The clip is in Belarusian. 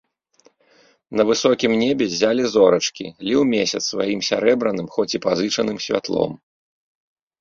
На высокім небе ззялі зорачкі, ліў месяц сваім сярэбраным, хоць і пазычаным, святлом.